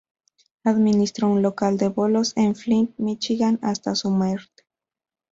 Administró un local de bolos en Flint, Míchigan, hasta su muerte.